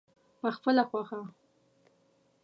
پخپله خوښه.